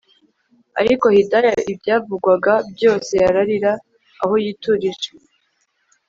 Ariko Hidaya ibyavugwaga byose yarari aho yiturije